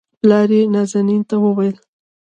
پلار يې نازنين ته وويل